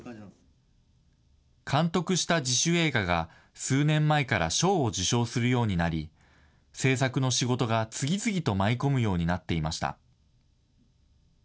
監督した自主映画が、数年前から賞を受賞するようになり、製作の仕事が次々と舞い込むようになっていました。